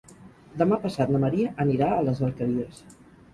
Demà passat na Maria anirà a les Alqueries.